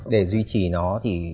để duy trì nó thì